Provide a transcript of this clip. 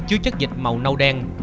chứa chất dịch màu nâu đen